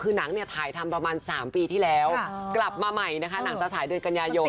คือหนังเนี่ยถ่ายทำประมาณ๓ปีที่แล้วกลับมาใหม่นะคะหนังตะสายเดือนกันยายน